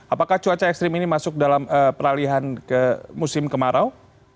apakah cuaca ekstrim ini masuk dalam peralihan ke musim kemarau